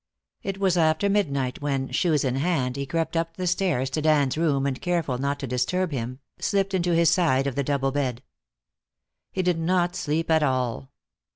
It was after midnight when, shoes in hand, he crept up the stairs to Dan's room, and careful not to disturb him, slipped into his side of the double bed. He did not sleep at all.